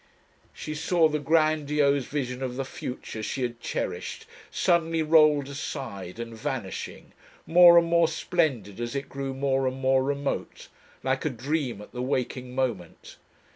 She saw the grandiose vision of the future she had cherished suddenly rolled aside and vanishing, more and more splendid as it grew more and more remote like a dream at the waking moment.